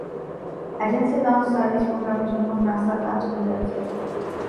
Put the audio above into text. Agency launch service প্রোগ্রামের জন্যও NASA কাজ করে যাচ্ছে।